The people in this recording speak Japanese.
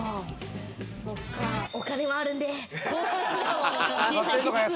お金はあるんで。